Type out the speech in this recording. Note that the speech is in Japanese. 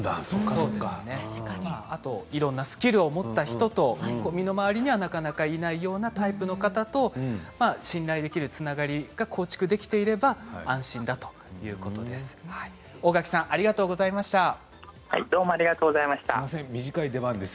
それといろんなスキルを持った人と身の回りにはなかなかいないようなタイプの方と信頼できるつながりが構築できていれば安心だということです。